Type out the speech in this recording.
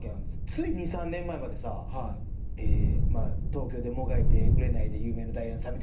つい２３年前までさ「東京でもがいて売れないで有名のダイアンさん」みたいな感じよ。